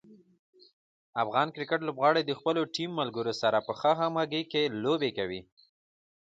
افغان کرکټ لوبغاړي د خپلو ټیم ملګرو سره په ښه همغږي کې لوبې کوي.